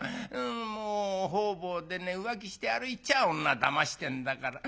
もう方々でね浮気して歩いちゃ女だましてんだから。